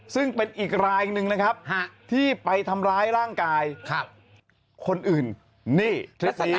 ซึ่งเป็นอีกรายหนึ่งนะครับที่ไปทำร้ายร่างกายคนอื่นนี่ชุดสี